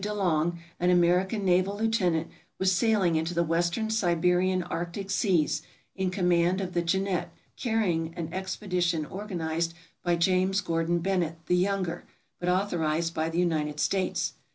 De Long, an American naval lieutenant, was sailing into the western Siberian arctic seas, in command of the "Jeannette," carrying an expedition organized by James Gordon Bennett the younger, but authorized by the United States.